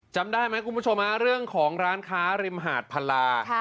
จำได้ไหมคุณผู้ชมเรื่องของร้านค้าริมหาดพลา